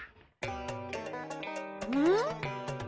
うん？